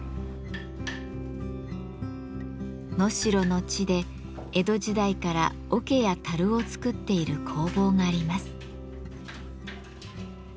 能代の地で江戸時代から桶や樽を作っている工房があります。